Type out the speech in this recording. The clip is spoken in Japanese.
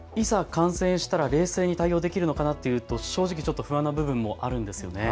感染したら冷静に対応できるのかなっていうと正直ちょっと不安な部分もあるんです。